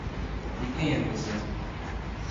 E quem é você?